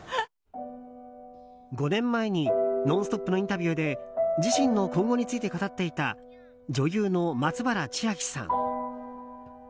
５年前に「ノンストップ！」のインタビューで自身の今後について語っていた女優の松原千明さん。